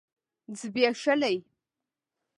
ځبيښلي